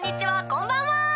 こんばんは！